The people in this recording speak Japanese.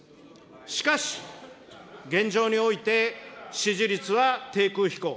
しかし現状において、支持率は低空飛行。